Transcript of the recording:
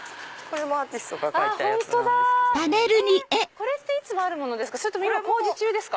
これっていつもあるものですか？